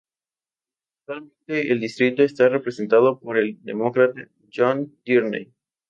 Actualmente el distrito está representado por el Demócrata John Tierney.